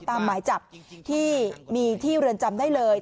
หมายจับที่มีที่เรือนจำได้เลย